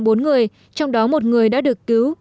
bốn người trong đó một người đã được cứu